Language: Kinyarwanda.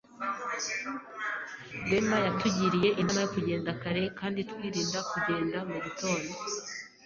Rwema yatugiriye inama yo kugenda kare kandi twirinda kugenda mu gitondo.